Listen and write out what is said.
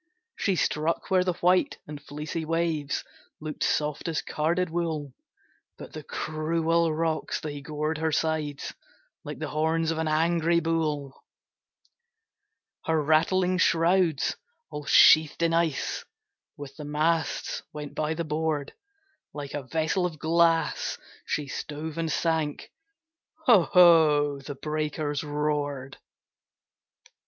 She struck where the white and fleecy waves Look'd soft as carded wool, But the cruel rocks, they gored her sides Like the horns of an angry bull. Her rattling shrouds, all sheathed in ice, With the masts went by the board; Like a vessel of glass, she stove and sank, Ho! ho! the breakers roared!